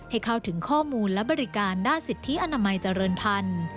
เข้าถึงข้อมูลและบริการด้านสิทธิอนามัยเจริญพันธุ์